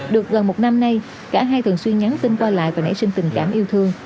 được gần một năm nay cả hai thường xuyên nhắn tin qua lại và nảy sinh tình cảm yêu thương